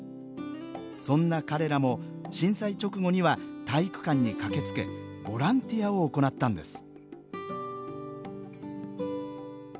そんな彼らも震災直後には体育館に駆けつけボランティアを行ったんです